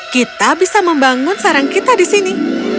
kita bisa membangun sarang kita di sini